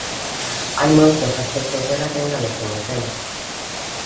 Hai moitos aspectos dela que aínda descoñecemos.